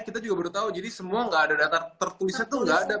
kita juga baru tahu jadi semua nggak ada data tertulisnya tuh nggak ada